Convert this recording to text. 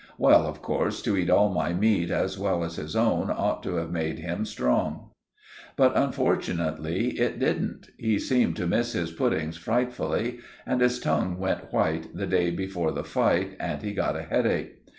Well, of course, to eat all my meat as well as his own ought to have made him strong. But, unfortunately, it didn't. He seemed to miss his puddings frightfully, and his tongue went white the day before the fight, and he got a headache.